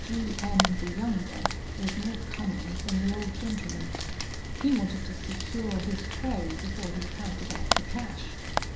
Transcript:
"G M the younger was more cunning than the old gentleman. He wanted to secure his prey before he counted out the cash.